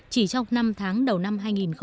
chỉ trong năm tháng đầu năm hai nghìn một mươi bảy